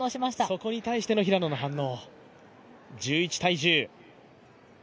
そこに対しての平野の反応。